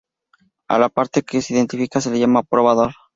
A la parte que se identifica se le llama probador.